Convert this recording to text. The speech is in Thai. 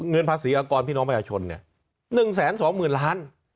เงินภาษีอากรพี่น้องมหาชนเนี่ยหนึ่งแสนสองหมื่นล้าน